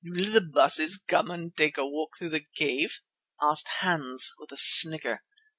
"Will the Baases come and take a walk through the cave?" asked Hans with a snigger.